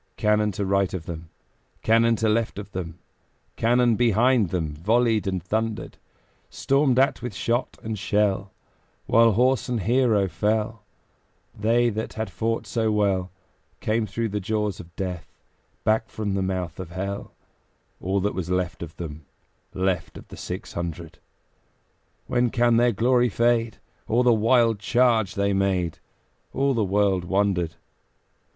Cannon to right of them, Cannon to left of them, Cannon behind them Volleyed and thundered: Stormed at with shot and shell, While horse and hero fell, They that had fought so well Came through the jaws of Death Back from the mouth of Hell All that was left of them, Left of six hundred. When can their glory fade? O the wild charge they made! All the world wondered.